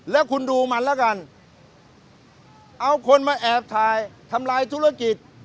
แล้วคุณดูมันแล้วกันเอาคนมาแอบถ่ายทำลายธุรกิจ